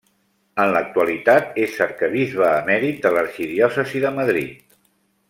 En l'actualitat és arquebisbe emèrit de l'arxidiòcesi de Madrid.